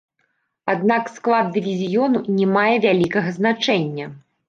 Аднак склад дывізіёну не мае вялікага значэння.